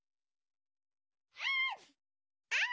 あ！